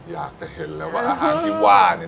อยากจะเห็นแล้วว่าอาหารที่ว่าเนี่ย